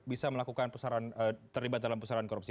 bisa melakukan pusaran terlibat dalam pusaran korupsi